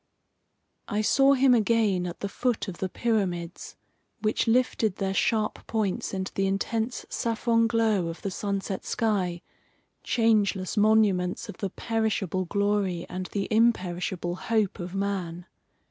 I saw him again at the foot of the pyramids, which lifted their sharp points into the intense saffron glow of the sunset sky, changeless monuments of the perishable glory and the imperishable hope of man.